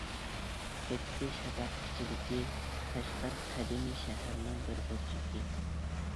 كەچكى شەپەق ئىچىدىكى قەشقەر قەدىمىي شەھىرىنىڭ بىر بۇرجىكى.